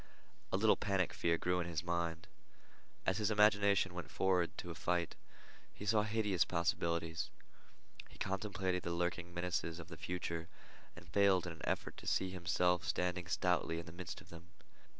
A little panic fear grew in his mind. As his imagination went forward to a fight, he saw hideous possibilities. He contemplated the lurking menaces of the future, and failed in an effort to see himself standing stoutly in the midst of them.